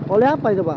oleh apa itu pak